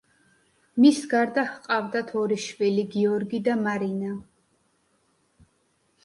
მის გარდა ჰყავდათ ორი შვილი გიორგი და მარინა.